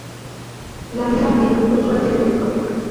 La mira era, usualmente, telescópica.